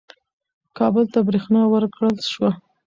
کابل ته برېښنا ورکړل شوه.